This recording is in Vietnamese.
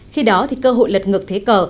khi đó thì cơ hội lật ngược thế cờ